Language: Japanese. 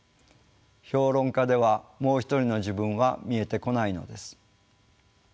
評論家では「もう一人の自分」は見えてこないのです。